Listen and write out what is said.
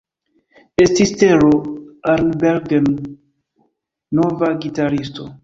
Estis Tero Arnbergn nova gitaristo.